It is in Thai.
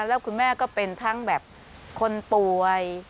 แล้วคุณแม่ก็เป็นทั้งแบบคนป่วย